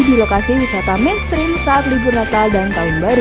di lokasi wisata mainstream saat libur natal dan tahun baru